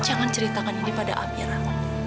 jangan ceritakan ini pada akhirat